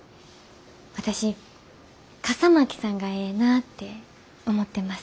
私笠巻さんがええなって思ってます。